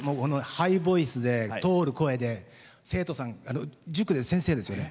ハイボイスで通る声で生徒さん塾の先生ですよね。